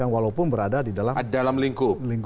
walaupun berada di dalam lingkup